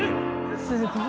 すごい。